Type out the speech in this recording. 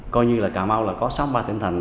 coi như là cà mau là có sáu mươi ba tỉnh thành